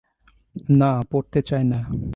না, পড়তে চাই না।